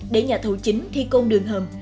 để nhà thầu chính thi công đường hầm